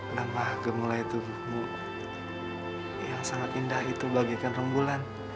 lemah gemulai tubuhmu yang sangat indah itu bagikan rembulan